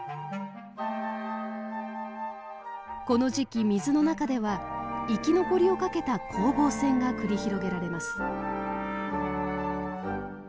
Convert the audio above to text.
この時期水の中では生き残りをかけた攻防戦が繰り広げられます。